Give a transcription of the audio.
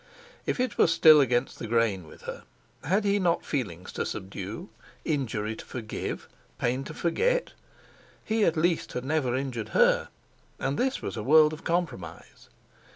If it were still against the grain with her, had he not feelings to subdue, injury to forgive, pain to forget? He at least had never injured her, and this was a world of compromise!